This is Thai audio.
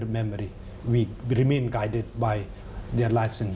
เรื่องของพวกมันเป็นสิ่งที่ของเราเ฀้ามา